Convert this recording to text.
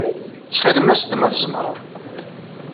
Ttxil-m as-d ma tzemreḍ.